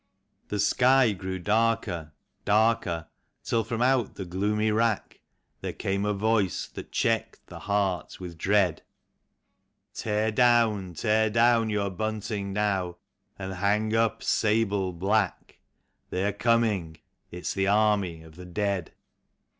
63 The sky grew darker, darker, till from out the gloomy rack There came a voice that checked the heart with dread :" Tear down, tear down your bunting now, and hang up sable black; They are coming — it's the Army of the Dead."